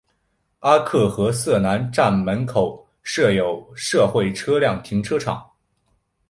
阿克和瑟南站门口设有社会车辆停车场。